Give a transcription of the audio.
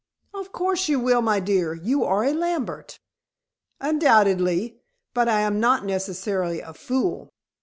"Of course you will, my dear. You are a Lambert." "Undoubtedly; but I am not necessarily a fool."